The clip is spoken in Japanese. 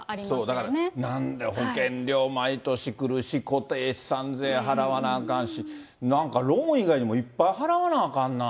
だから、なんで保険料毎年来るし、固定資産税払わなあかんし、なんかローン以外にもいっぱい払わなあかんな。